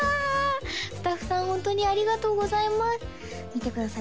スタッフさんホントにありがとうございます見てください